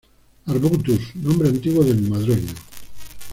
Arbutus: nombre antiguo del "madroño".